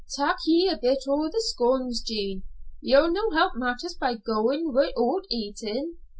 "Tak' ye a bit o' the scones, Jean. Ye'll no help matters by goin' wi'oot eatin'.